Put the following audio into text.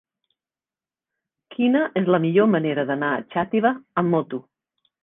Quina és la millor manera d'anar a Xàtiva amb moto?